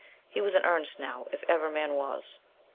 He was in earnest now, if ever man was.